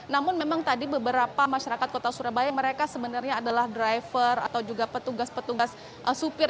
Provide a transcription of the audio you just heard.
namun memang tadi beberapa masyarakat kota surabaya mereka sebenarnya adalah driver atau juga petugas petugas supir